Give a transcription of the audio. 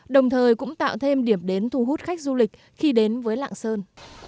đồng thời cũng tạo thêm điểm đến thu hút khách du lịch khi đến với lạng sơn